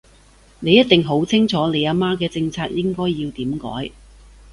你一定好清楚你阿媽嘅政策應該要點改